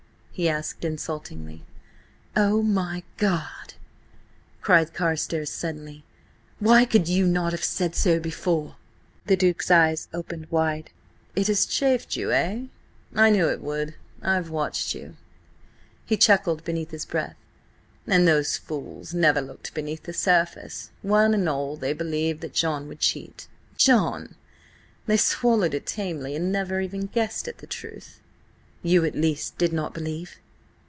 he asked insultingly. "Oh, my God!" cried Carstares suddenly. "Why could you not have said so before?" The Duke's eyes opened wide. "It has chafed you–eh? I knew it would. I've watched you." He chuckled beneath his breath. "And those fools never looked beneath the surface. One and all, they believed that John would cheat. John! They swallowed it tamely and never even guessed at the truth." "You, at least, did not believe?"